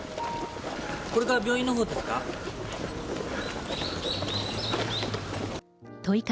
これから病院のほうですか。